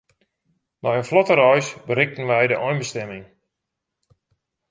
Nei in flotte reis berikten wy de einbestimming.